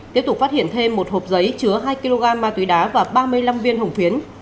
tiếp tục phát hiện thêm một hộp giấy chứa hai kg ma túy đá và ba mươi năm viên hồng phiến